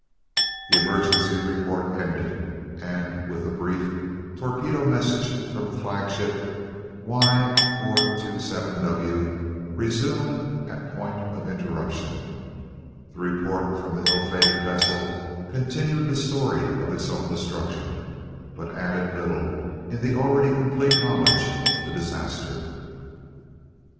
The emergency report ended, and with a brief "Torpedo message from flagship Y427W resumed at point of interruption," the report from the ill fated vessel continued the story of its own destruction, but added little in the already complete knowledge of the disaster.